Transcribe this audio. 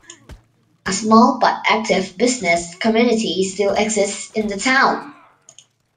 A small but active business community still exists in the town.